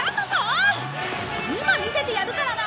今見せてやるからな！